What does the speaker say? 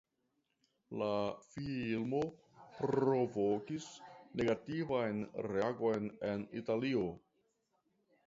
La filmo provokis negativan reagon en Italio.